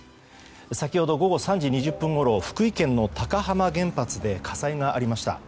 先ほど午後３時２０分ごろ福井県の高浜原発で火災がありました。